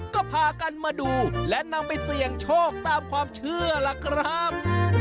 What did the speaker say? ก็พากันมาดูและนำไปเสี่ยงโชคตามความเชื่อล่ะครับ